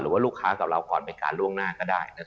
ว่าลูกค้ากับเราก่อนบริการล่วงหน้าก็ได้